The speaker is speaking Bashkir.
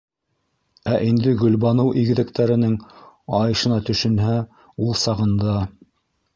Ә инде Гөлбаныу игеҙәктәренең айышына төшөнһә, ул сағында...